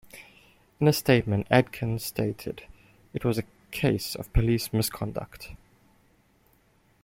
In a statement Adkins stated, It was a case of police misconduct.